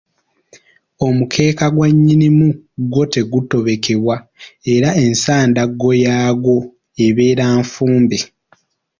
Omukeeka gwa nnyinimu gwo tegutobekebwa era ensandaggo yaagwo ebeera nfumbe.